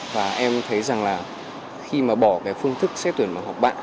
và em thấy rằng là khi mà bỏ cái phương thức xét tuyển bằng học bạ